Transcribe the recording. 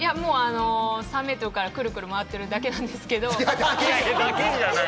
３ｍからくるくる回ってるだけなんですけど。